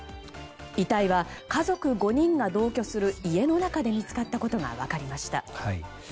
遺体は、家族５人が同居する家の中で見つかったことが分かりました。